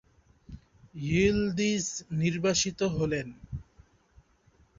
য়ীলদিজ্ নির্বাসিত হলেন।